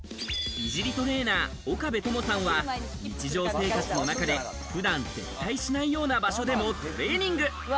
美尻トレーナー岡部友さんは、日常生活の中で普段絶対しないような場所でもトレーニング。